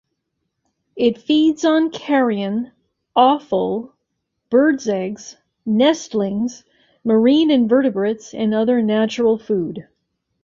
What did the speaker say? It feeds on carrion, offal, bird eggs, nestlings, marine invertebrates and other natural food.